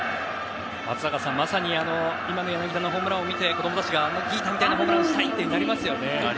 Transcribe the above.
松坂さん、まさに今の柳田のホームランを見て子供たちもギータみたいなホームランをしたいってなりますよね。